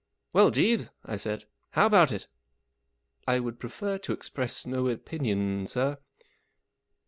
" Well, Jeeves," I said, 44 how about it ?"" I would prefer to express no opinion, sir."